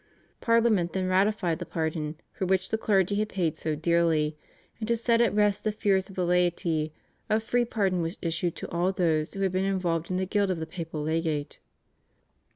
Parliament then ratified the pardon for which the clergy had paid so dearly, and to set at rest the fears of the laity a free pardon was issued to all those who had been involved in the guilt of the papal legate.